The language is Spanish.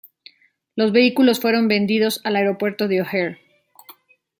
Los vehículos fueron vendidos al aeropuerto de O'Hare.